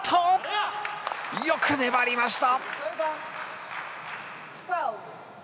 よく粘りました。